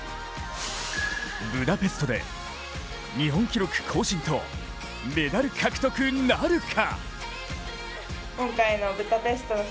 ブダペストで日本記録更新とメダル獲得なるか。